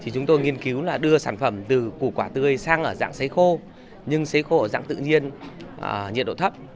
chúng tôi nghiên cứu đưa sản phẩm từ củ quả tươi sang ở dạng xấy khô nhưng xấy khô ở dạng tự nhiên nhiệt độ thấp